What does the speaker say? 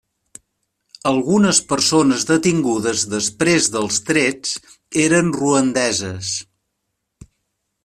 Algunes persones detingudes després dels trets eren ruandeses.